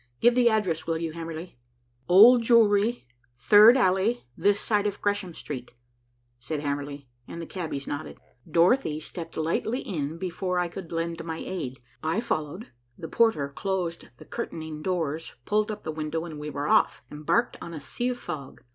Give the address, will you, Hamerly?" "Old Jewry, third alley, this side of Gresham Street," said Hamerly, and the cabbies nodded. Dorothy stepped lightly in before I could lend my aid. I followed, the porter closed the curtaining doors, pulled up the window, and we were off, embarked on a sea of fog.